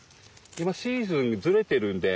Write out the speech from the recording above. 今シーズンずれてるんで。